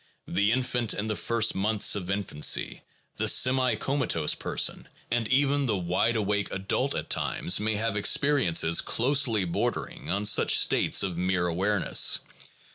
The infant in the first months of infancy, the semi comatose person, and even the wide awake adult at times, may have experiences closely bordering on such states of mere awareness.